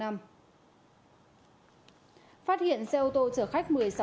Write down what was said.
phát hiện xe ô tô chở khách một mươi sáu